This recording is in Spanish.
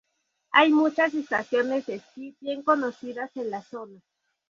Hay muchas estaciones de esquí bien conocidas en la zona.